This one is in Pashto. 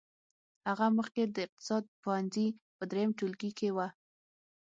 هغه مخکې د اقتصاد پوهنځي په دريم ټولګي کې وه.